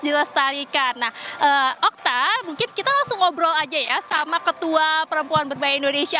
dilestarikan nah okta mungkin kita langsung ngobrol aja ya sama ketua perempuan berbaya indonesia